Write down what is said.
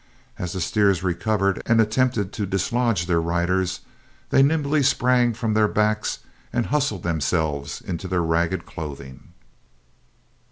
As the steers recovered and attempted to dislodge their riders, they nimbly sprang from their backs and hustled themselves into their ragged clothing.